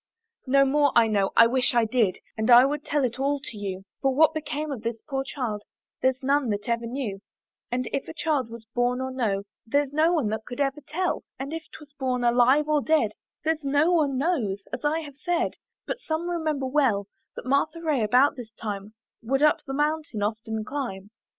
No more I know, I wish I did, And I would tell it all to you; For what became of this poor child There's none that ever knew: And if a child was born or no, There's no one that could ever tell; And if 'twas born alive or dead, There's no one knows, as I have said, But some remember well, That Martha Ray about this time Would up the mountain often climb.